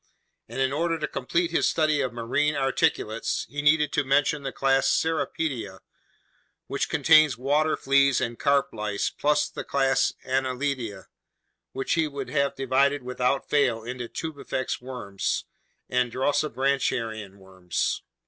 And in order to complete his study of marine articulates, he needed to mention the class Cirripedia, which contains water fleas and carp lice, plus the class Annelida, which he would have divided without fail into tubifex worms and dorsibranchian worms.